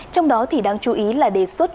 trong đó thì đang chú ý là đề xuất